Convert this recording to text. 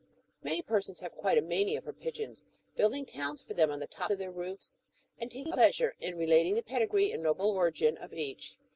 Many ])ersons have quite a mania for pigeons — building towns for them on the top of their roofs, and taking a pleasure iu relating the pedigree and noble origin of each.